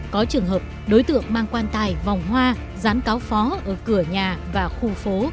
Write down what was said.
có trường hợp đối tượng mang quan tài vòng hoa rán cáo phó ở cửa nhà và khu phố